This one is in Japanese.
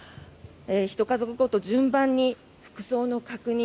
ひと家族ごと順番に服装の確認